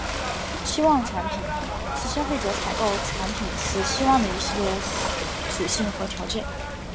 期望产品是消费者采购产品时期望的一系列属性和条件。